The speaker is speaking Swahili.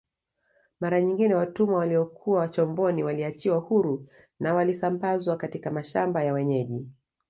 Mara nyingine watumwa waliokuwa chomboni waliachiwa huru na walisambazwa katika mashamba ya wenyeji